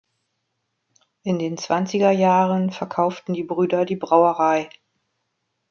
In den Zwanziger Jahren verkauften die Brüder die Brauerei.